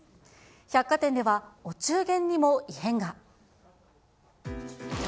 百貨店では、お中元にも異変が。